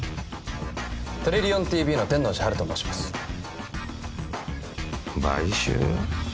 トリリオンＴＶの天王寺陽と申します買収！？